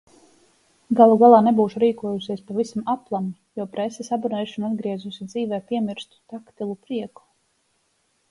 Galu galā nebūšu rīkojusies pavisam aplami, jo preses abonēšana atgriezusi dzīvē piemirstu taktilu prieku.